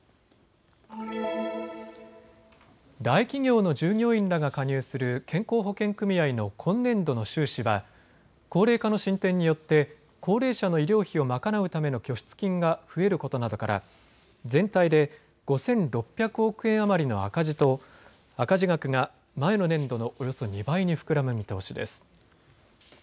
大企業の従業員らが加入する健康保険組合の今年度の収支は高齢化の進展によって高齢者の医療費を賄うための拠出金が増えることなどから全体で５６００億円余りの赤字と赤字額が前の年度のおよそ２倍に膨らむ見通しです。